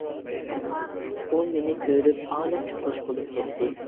ئۇ مېنى كۆرۈپ ئالەمچە خۇش بولۇپ كەتتى.